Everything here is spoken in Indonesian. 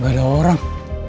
gak ada orang